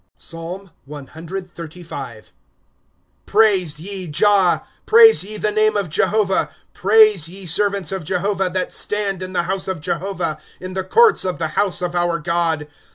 PSALM CXXXV. 1 Praise ye Jah. Praise ye the name of Jehovah ; Praise, ye servants of Jehovah, ^ That stand in the house of Jehovah, In the courts of the house of our God.